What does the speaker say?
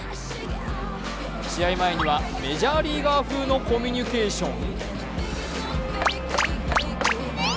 試合前にはメジャーリーガー風のコミュニケーション。